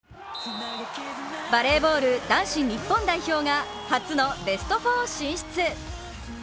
バレーボール男子日本代表が初のベスト４進出。